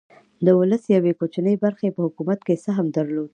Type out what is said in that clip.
د ولس یوې کوچنۍ برخې په حکومت کې سهم درلود.